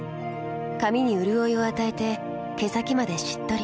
髪にうるおいを与えて毛先までしっとり。